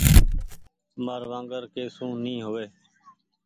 مآر وانگر ڪي سون ني هووي۔